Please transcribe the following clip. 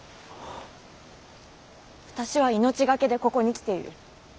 私は命懸けでここに来ている。